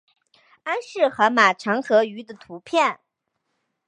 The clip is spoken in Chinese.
安氏河马长颌鱼的图片